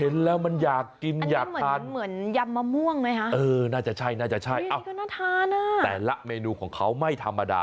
น่าจะใช่แต่ละเมนูของเขาไม่ธรรมดา